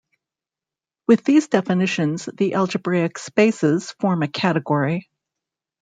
With these definitions, the algebraic spaces form a category.